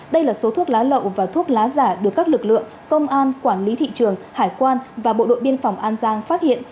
đây là số thuốc lá lậu và thuốc lá giả được các lực lượng công an quản lý thị trường hải quan và bộ đội biên phòng an giang phát hiện